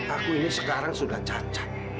aku ini sekarang sudah cacat